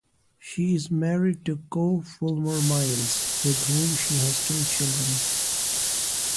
She is married to Coe Fulmer Miles, with whom she has two children.